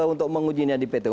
untuk mengujinya di pt